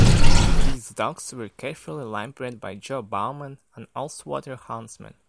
These dogs were carefully linebred by Joe Bowman, an Ullswater huntsman.